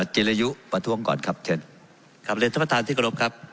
จิรยุประท้วงก่อนครับเชิญครับเรียนท่านประธานที่กรบครับ